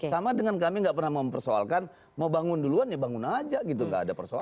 sama dengan kami nggak pernah mempersoalkan mau bangun duluan ya bangun aja gitu nggak ada persoalan